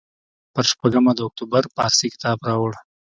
پر شپږمه د اکتوبر پارسي کتاب راوړ.